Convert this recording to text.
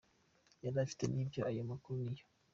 Yagize ati “Nibyo ayo makuru niyo.